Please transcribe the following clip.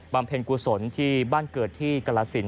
บำเพ็ญกว่าสนที่บ้านเกิดที่กละสิน